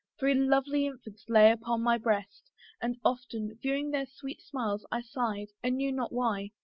Three lovely infants lay upon my breast; And often, viewing their sweet smiles, I sighed, And knew not why.